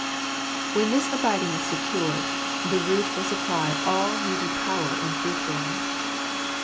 When this abiding is secured y the root will supply all needed power in fruit bearing.